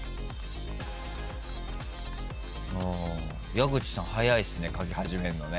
矢口さん早いっすね書き始めるのね。